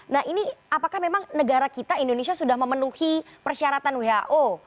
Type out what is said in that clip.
nah ini apakah memang negara kita indonesia sudah memenuhi persyaratan who